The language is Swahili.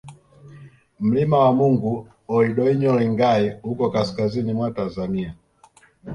Mlima wa Mungu Ol Doinyo Lengai uko kaskazini mwa Tanzania